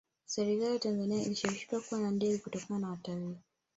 serikali ya tanzania ilishawishika kuwa na ndege kutokana na utalii